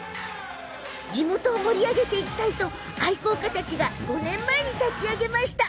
地元を盛り上げていきたいと愛好家たちが５年前に立ち上げました。